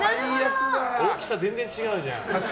大きさ全然違うじゃん。